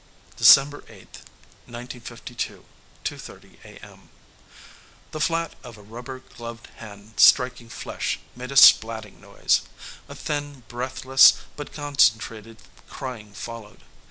December 8th, 1952, Two Thirty A. M. The flat of a rubber gloved hand striking flesh made a splatting noise. A thin, breathless but concentrated crying followed.